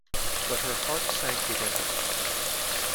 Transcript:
But her heart sank within her.